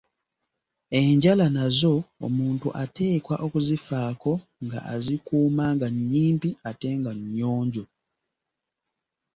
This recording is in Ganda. Enjala nazo omuntu ateekwa okuzifaako nga azikuuma nga nnyimpi ate nga nnyonjo.